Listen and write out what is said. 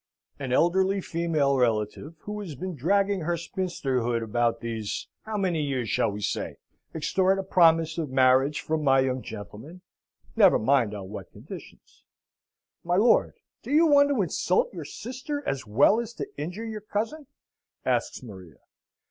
An elderly female relative, who has been dragging her spinsterhood about these how many years shall we say? extort a promise of marriage from my young gentleman, never mind on what conditions." "My lord, do you want to insult your sister as well as to injure your cousin?" asks Maria.